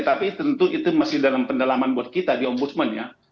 tapi tentu itu masih dalam pendalaman buat kita di ombudsman ya